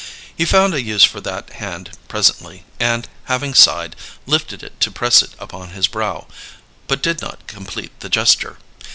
He found a use for that hand presently, and, having sighed, lifted it to press it upon his brow, but did not complete the gesture.